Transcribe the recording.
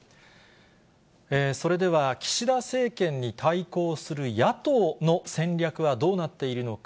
それでは岸田政権に対抗する野党の戦略はどうなっているのか。